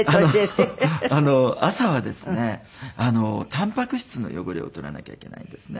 たんぱく質の汚れを取らなきゃいけないんですね。